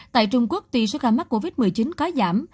tại trung quốc tuy số ca mắc covid một mươi chín có giảm